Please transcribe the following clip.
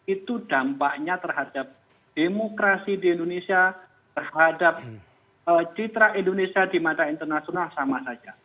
itu dampaknya terhadap demokrasi di indonesia terhadap citra indonesia di mata internasional sama saja